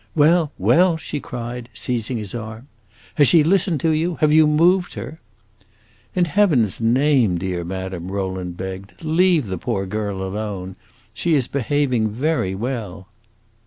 "Well, well?" she cried, seizing his arm. "Has she listened to you have you moved her?" "In Heaven's name, dear madame," Rowland begged, "leave the poor girl alone! She is behaving very well!"